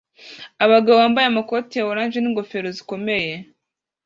Abagabo bambaye amakoti ya orange n'ingofero zikomeye